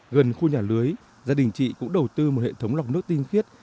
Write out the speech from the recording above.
gần khu nhà lưới gia đình chị cũng đầu tư một hệ thống lọc nước tinh khiết